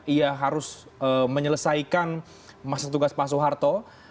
ia harus menyelesaikan masa tugas pak soeharto